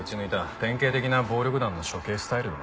典型的な暴力団の処刑スタイルだな。